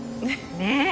ねえ。